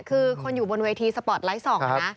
คือคนอยู่บนเวทีสปอร์ตไลท์๒นะ